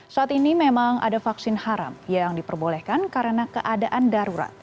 saat ini memang ada vaksin haram yang diperbolehkan karena keadaan darurat